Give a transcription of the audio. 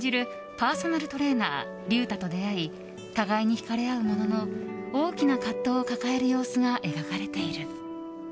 パーソナルトレーナー龍太と出会い互いにひかれ合うものの大きな葛藤を抱える様子が描かれている。